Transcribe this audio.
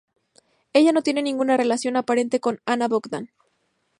Ella no tiene ninguna relación aparente con Ana Bogdan.